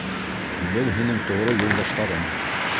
Беҙ һинең тоғро юлдаштарың.